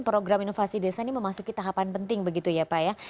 program inovasi desa ini memasuki tahapan penting begitu ya pak ya